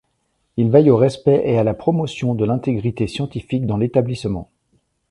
Il veille au respect et à la promotion de l’intégrité scientifique dans l’établissement.